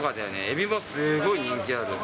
エビもすごい人気ある。